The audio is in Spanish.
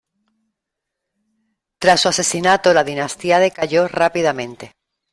Tras su asesinato la dinastía decayó rápidamente.